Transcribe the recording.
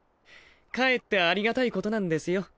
かえってありがたいことなんですよ。